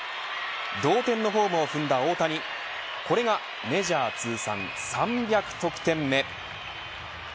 同点のホームを踏んだ大谷これがメジャー通算３００得点目。